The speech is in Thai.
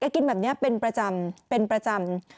กินแบบนี้เป็นประจำเป็นประจำ